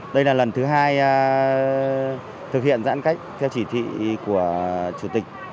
đây là lần thứ hai thực hiện giãn cách theo chỉ thị của chủ tịch